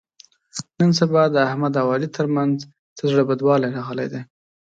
نن سبا د احمد او علي تر منځ څه زړه بدوالی راغلی دی.